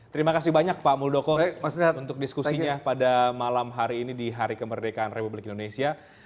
terima kasih banyak pak muldoko untuk diskusinya pada malam hari ini di hari kemerdekaan republik indonesia